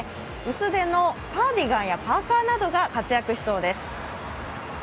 薄手のカーディガンやパーカーなどが活躍しそうです。